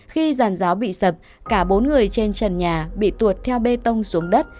khi giàn giáo bị sập cả bốn người trên trần nhà bị tuột theo bê tông xuống đất